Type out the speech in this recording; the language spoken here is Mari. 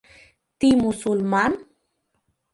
Ти мусульман?